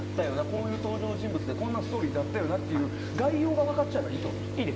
こういう登場人物でストーリーだったよなって概要が分かっちゃえばいいってことですか？